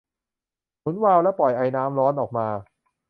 หมุนวาล์วและปล่อยไอน้ำร้อนออกมา